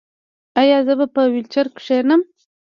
ایا زه به په ویلچیر کینم؟